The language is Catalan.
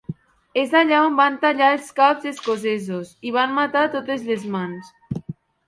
És allà on van tallar els caps escocesos i van matar totes les mans.